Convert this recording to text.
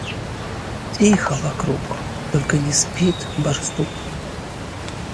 Тихо вокруг, только не спит барсук.